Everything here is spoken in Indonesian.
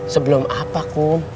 sebelum apa kum